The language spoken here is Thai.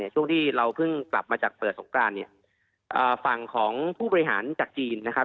ช่วงที่เราเพิ่งกลับมาจากเปิดสงกรานเนี่ยฝั่งของผู้บริหารจากจีนนะครับ